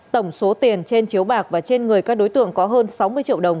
tổng số tiền trên chiếu bạc và trên người các đối tượng có hơn sáu mươi triệu đồng